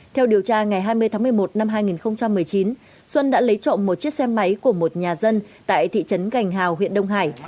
theo điều tra ngày hai mươi tháng một mươi một năm hai nghìn một mươi chín xuân đã lấy trộm một chiếc xe máy của một nhà dân tại thị trấn gành hào huyện đông hải